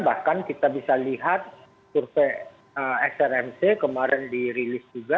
bahkan kita bisa lihat survei smrmc kemarin dirilis juga